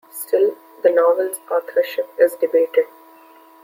Still, the novel's authorship is debated.